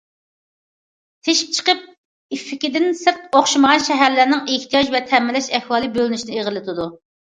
تېشىپ چىقىش ئېففېكتىدىن سىرت، ئوخشىمىغان شەھەرلەرنىڭ ئېھتىياج ۋە تەمىنلەش ئەھۋالى بۆلۈنۈشنى ئېغىرلىتىدۇ.